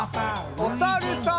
おさるさん。